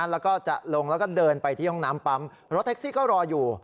แล้วก็จะลงแล้วก็เดินไปที่ห้องน้ำปั๊มรถแท็กซี่ก็รออยู่